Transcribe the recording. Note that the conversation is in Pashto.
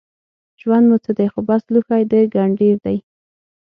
ژوند مو څه دی خو بس لوښی د ګنډېر دی